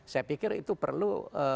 saya pikir itu perlu